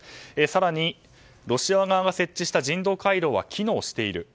更に、ロシア側が設置した人道回廊は機能している。